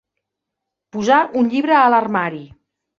Posar un llibre a l'armari.